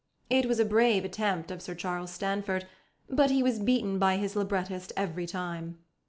It was a brave attempt of Sir Charles Stanford, but he was beaten by his librettist every time.